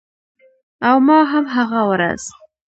او ما هم هغه ورځ